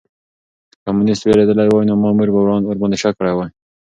که کمونيسټ وېرېدلی وای نو مامور به ورباندې شک کړی وای.